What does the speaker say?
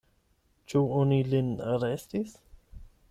Ĉu oni lin arestis?